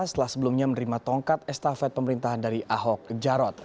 setelah sebelumnya menerima tongkat estafet pemerintahan dari ahok jarot